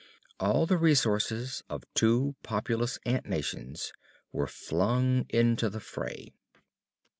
All the resources of two populous ant nations were flung into the fray.